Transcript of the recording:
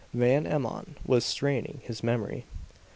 Van Emmon was straining his memory.